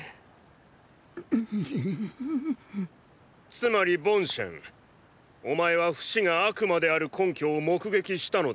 つまりボンシェンお前はフシが悪魔である根拠を目撃したのだな。